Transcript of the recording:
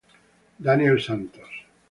Daniel Santos